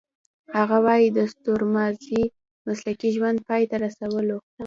هغه وايي د ستورمزلۍ مسلکي ژوند پای ته رسولو .